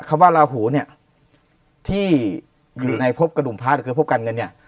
คำว่าลาหูเนี้ยที่คืออยู่ในพบกระดุมพระคือพบกันกันเนี้ย